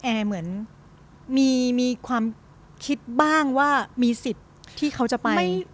แอร์เหมือนมีความคิดบ้างว่ามีสิทธิ์ที่เขาจะไป